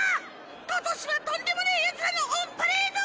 今年はとんでもねぇヤツらのオンパレード！